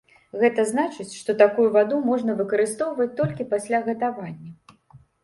Гэта значыць, што такую ваду можна выкарыстоўваць толькі пасля гатавання.